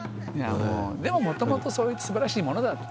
でももともとそういう素晴らしいものだった。